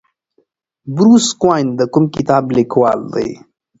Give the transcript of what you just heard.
بروس کوئن د کوم کتاب لیکوال دی؟